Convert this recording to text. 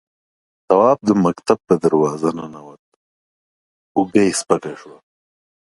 تواب د مکتب په دروازه ننوت، اوږه يې سپکه شوه.